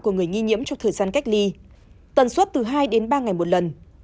của người nghi nhiễm trong thời gian cách ly tần suất từ hai đến ba ngày một lần